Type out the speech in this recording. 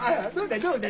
どうだ？